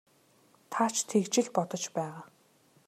Та ч тэгж л бодож байгаа.